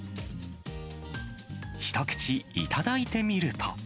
一口頂いてみると。